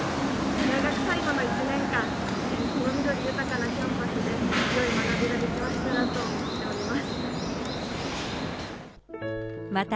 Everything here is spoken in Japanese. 大学最後の１年間、この緑豊かなキャンパスでよい学びができましたらと思っておりま